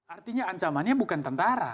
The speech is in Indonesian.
artinya ancamannya bukan tentara